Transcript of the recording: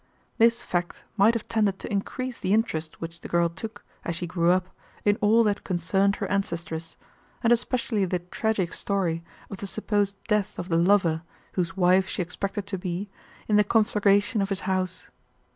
This fact might have tended to increase the interest which the girl took, as she grew up, in all that concerned her ancestress, and especially the tragic story of the supposed death of the lover, whose wife she expected to be, in the conflagration of his house.